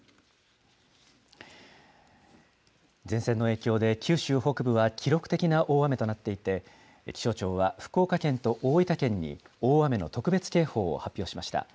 前線の影響で、九州北部は記録的な大雨となっていて、気象庁は福岡県と大分県に大雨の特別警報を発表しました。